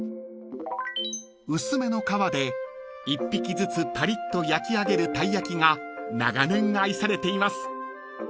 ［薄めの皮で１匹ずつパリッと焼き上げる鯛焼が長年愛されています］